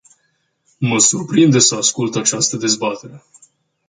Mă surprinde să ascult această dezbatere.